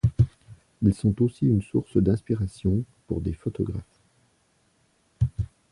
Ils sont aussi une source d'inspiration pour des photographes.